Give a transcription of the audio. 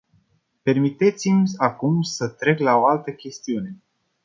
Permiteți-mi acum să trec la o altă chestiune.